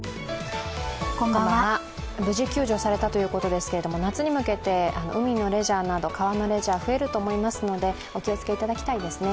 無事救助されたということですけれども、夏に向けて海のレジャー、川のレジャーなど増えると思いますのでお気をつけいただきたいですね。